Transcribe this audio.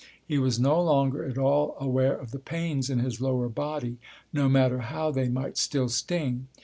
He was no longer at all aware of the pains in his lower body, no matter how they might still sting.